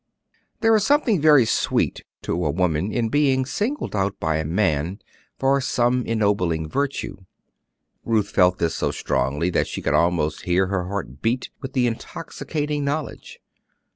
There is something very sweet to a woman in being singled out by a man for some ennobling virtue. Ruth felt this so strongly that she could almost hear her heart beat with the intoxicating knowledge.